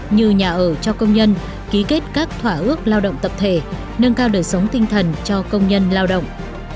như nhà ở cho công nhân ký kết các thỏa ước lao động tập thể nâng cao đời sống tinh thần cho công nhân lao động